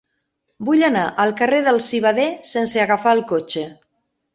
Vull anar al carrer del Civader sense agafar el cotxe.